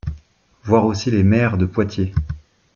Voir aussi les maires de Poitiers.